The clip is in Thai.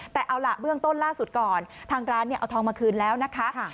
แต่เอาล่ะเบื้องต้นล่าสุดก่อนทางร้านเอาทองมาคืนแล้วนะคะ